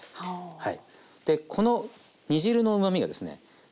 はい。